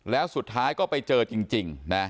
แล้วสุดท้ายก็ไปเจอจริงนะ